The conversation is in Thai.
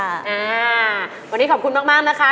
อ่าวันนี้ขอบคุณมากนะคะ